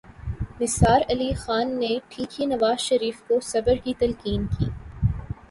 نثار علی خان نے ٹھیک ہی نواز شریف کو صبر کی تلقین کی۔